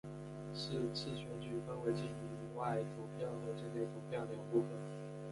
是次选举分为境外投票和境内投票两部分。